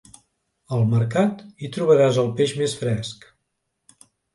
Al mercat hi trobaràs el peix més fresc.